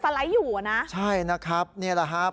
ไลด์อยู่อ่ะนะใช่นะครับนี่แหละครับ